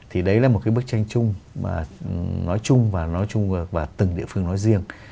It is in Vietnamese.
thì đấy là một cái bức tranh chung mà nói chung và nói chung và từng địa phương nói riêng